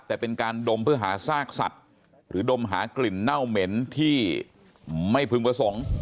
แต่เป็นการดมเพื่อหาซากสัตว์หรือดมหากลิ่นเน่าเหม็นที่ไม่พึงประสงค์